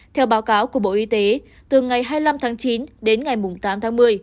theo báo cáo của bộ y tế từ ngày hai mươi năm tháng chín đến ngày tám tháng một mươi